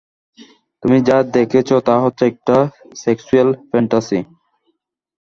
তুমি যা দেখেছ তা হচ্ছে একটা সেক্সুয়াল ফ্যান্টাসি।